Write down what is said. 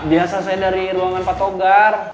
biasa saya dari ruangan pak togar